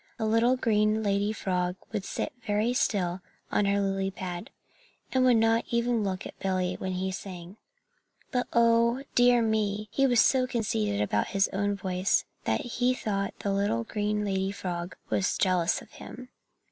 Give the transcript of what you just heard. The little green lady frog would sit very still on her lily pad, and would not even look at Billy when he sang. But, oh, dear me! he was so conceited about his own voice that he thought the little green lady frog was jealous of him.